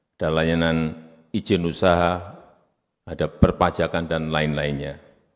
ada layanan izin usaha ada perpajakan dan lain lainnya